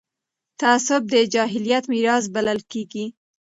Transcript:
تعصب د جاهلیت میراث بلل کېږي